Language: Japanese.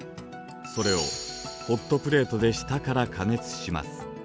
それをホットプレートで下から加熱します。